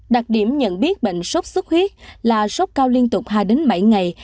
đặc điểm nhận biết bệnh sốt xuất huyết là sốt cao liên tục hai đến bảy ngày